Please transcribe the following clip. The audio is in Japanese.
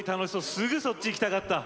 すぐそっち行きたかった！